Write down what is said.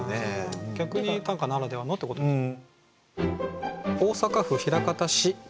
逆に短歌ならではのってことですね。